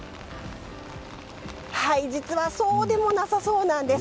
実はそうでもなさそうなんです。